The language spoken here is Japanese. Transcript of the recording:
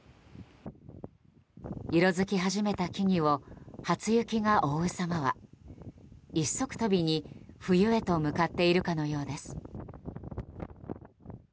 色づき始めた木々を初雪が覆う様は一足飛びに冬へと向かっているかのようです。